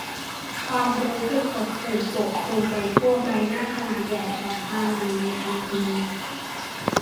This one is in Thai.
ความรู้สึกหดหู่ปกคลุมไปทั่วใบหน้าขนาดใหญ่ของฮานัดในทันที